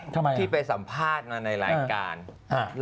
ที่ไปสัมภาษณ์อ่ะในรายการ